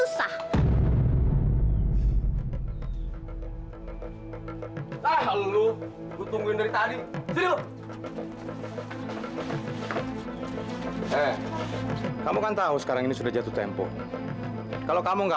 sampai jumpa di video selanjutnya